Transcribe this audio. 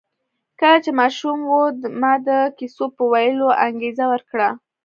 کله چې ماشوم و ما د کیسو په ویلو انګېزه ورکړه